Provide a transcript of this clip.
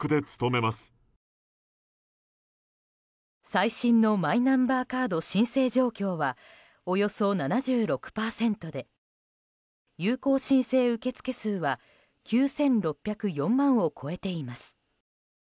最新のマイナンバーカード申請状況はおよそ７６％で有効申請受付数は９６０４万を超えています。